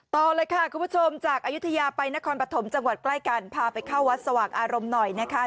ต่อเลยค่ะคุณผู้ชมจากอายุทยาไปนครปฐมจังหวัดใกล้กันพาไปเข้าวัดสว่างอารมณ์หน่อยนะคะ